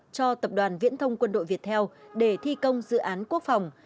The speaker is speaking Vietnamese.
cho tập đoàn viễn thông quân đội việt theo để thi công dự án quốc phòng